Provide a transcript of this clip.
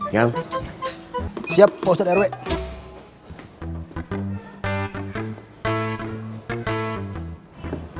yang siap posen rw